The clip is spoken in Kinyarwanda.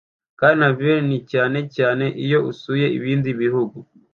Carnival ni cyane cyane iyo usuye ibindi bihugu